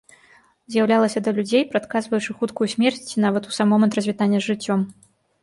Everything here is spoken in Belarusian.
З'яўлялася да людзей, прадказваючы хуткую смерць, ці нават у сам момант развітання з жыццём.